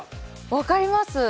分かります！